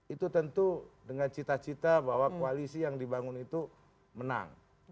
itu tentu dengan cita cita bahwa koalisi yang dibangun itu menang